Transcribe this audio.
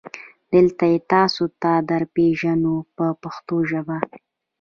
دلته یې تاسو ته درپېژنو په پښتو ژبه.